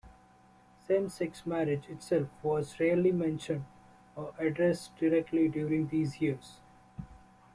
Same-sex marriage itself was rarely mentioned or addressed directly during these years.